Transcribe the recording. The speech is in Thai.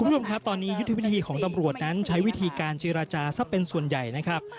คุณผู้ชมครับตอนนี้ยุทธวิธีของตำรวจนั้นใช้วิธีการเจรจาซะเป็นส่วนใหญ่นะครับ